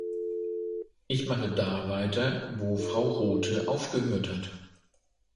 Ich mache da weiter, wo Frau Rothe aufgehört hat.